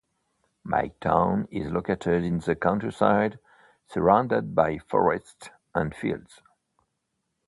My town is located in the countryside, surrounded by forests and fields.